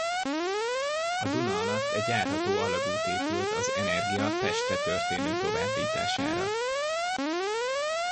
A Duna alatt egy járható alagút épült az energia Pestre történő továbbítására.